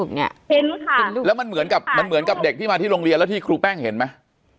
เห็นค่ะแล้วมันเหมือนกับเด็กที่มาที่โรงเรียนแล้วที่ครูแป้งเห็นไหม